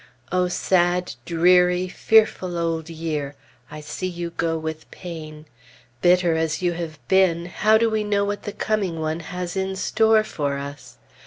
O sad, dreary, fearful Old Year! I see you go with pain! Bitter as you have been, how do we know what the coming one has in store for us?